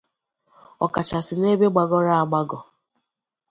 ọkachasị n'ebe gbagọrọ agbagọ.